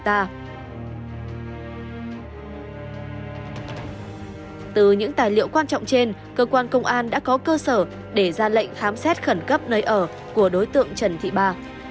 từ những tài liệu quan trọng trên cơ quan công an đã có cơ sở để ra lệnh khám xét khẩn cấp nơi ở của đối tượng trần thị ba